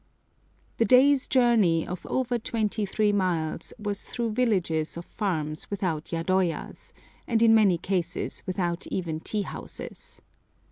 The day's journey, of over twenty three miles, was through villages of farms without yadoyas, and in many cases without even tea houses.